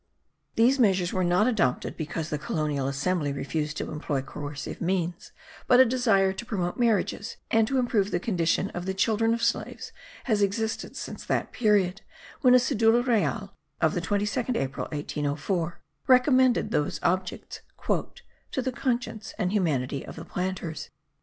These measures were not adopted because the colonial assembly refused to employ coercive means; but a desire to promote marriages and to improve the condition of the children of slaves has existed since that period, when a cedula real (of the 22nd April, 1804) recommended those objects "to the conscience and humanity of the planters."